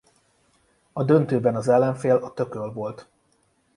A döntőben az ellenfél a Tököl volt.